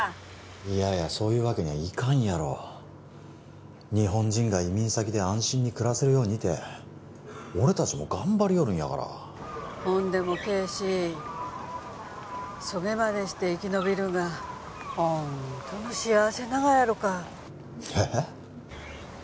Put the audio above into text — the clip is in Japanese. いややそういうわけにはいかんやろ日本人が移民先で安心に暮らせるようにて俺達も頑張りよるんやからほんでも啓示そげまでして生き延びるんがほんとの幸せながやろかええっ？